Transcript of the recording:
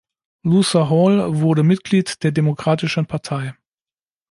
Luther Hall wurde Mitglied der Demokratischen Partei.